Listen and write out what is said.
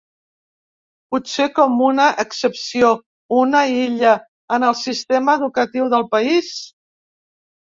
Potser com una excepció, una illa, en el sistema educatiu del país?